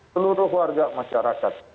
seluruh warga masyarakat